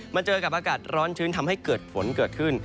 เจอกับอากาศร้อนชื้นทำให้เกิดฝนเกิดขึ้น